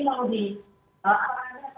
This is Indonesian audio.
kalau dari pemerintah